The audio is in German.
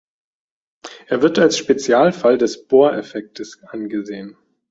Er wird als Spezialfall des Bohr-Effektes angesehen.